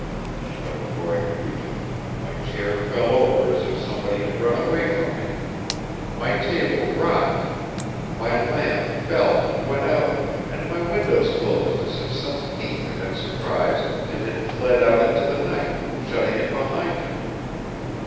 But before I could reach it, my chair fell over as if somebody had run away from me ... my table rocked, my lamp fell and went out, and my window closed as if some thief had been surprised and had fled out into the night, shutting it behind him.